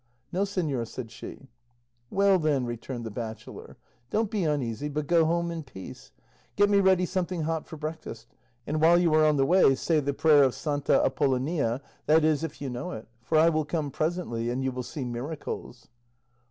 "No, señor," said she. "Well then," returned the bachelor, "don't be uneasy, but go home in peace; get me ready something hot for breakfast, and while you are on the way say the prayer of Santa Apollonia, that is if you know it; for I will come presently and you will see miracles."